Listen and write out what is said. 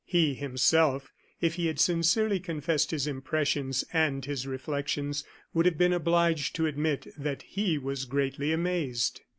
He, himself, if he had sincerely confessed his impressions and his reflections, would have been obliged to admit that he was greatly amazed.